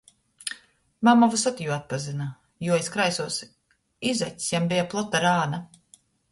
Mama vysod jū atpazyna, jo iz kreisuos izacs jam beja plota rāna.